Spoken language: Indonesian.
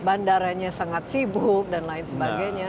bandaranya sangat sibuk dan lain sebagainya